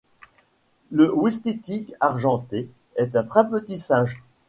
Le ouistiti argenté est un très petit singe